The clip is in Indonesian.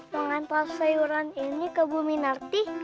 mengantar sayuran ini ke buminarti